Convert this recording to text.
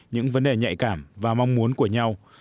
những vấn đề nhạy cảm và mong muốn của nhau